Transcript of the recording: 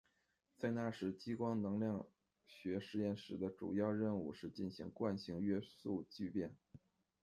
在那时，激光能量学实验室的主要任务是进行惯性约束聚变。